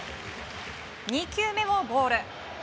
２球目もボール。